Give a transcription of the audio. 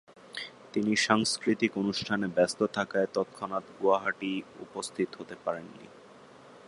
তিনি সাংস্কৃতিক অনুষ্ঠানে ব্যস্ত থাকায় তৎক্ষণাৎ গুয়াহাটি উপস্থিত হতে পারেননি।